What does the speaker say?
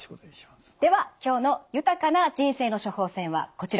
では今日の豊かな人生の処方箋はこちらです。